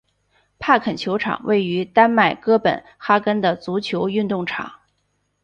帕肯球场位于丹麦哥本哈根的足球运动场。